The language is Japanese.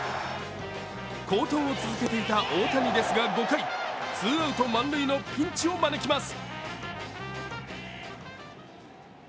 好投を続けていた大谷ですが、５回、ツーアウト満塁のピンチを招きます。